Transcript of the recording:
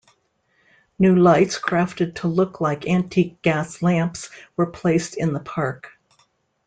New lights crafted to look like antique gas lamps were placed in the park.